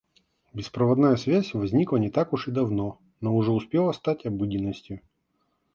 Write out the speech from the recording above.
Беспроводная связь возникла не так уж и давно, но уже успела стать обыденностью.